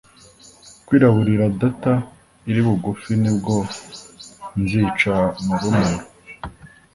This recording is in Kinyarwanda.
kwiraburira data iri bugufi ni bwo nzica murumuna